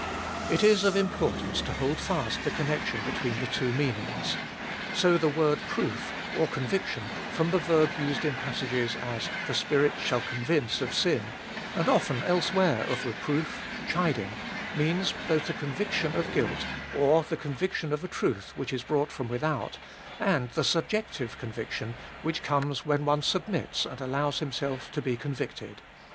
It is of importance to hold fast the connection between the two meanings. So the word proof, or conviction, from the verb used in passages, as, The Spirit shall convince of sin, and often elsewhere of reproof, chiding, means both the convic tion of guilt, or the conviction of a truth which is brought from without, and the subjective conviction which comes when one submits and allows himself to be con victed.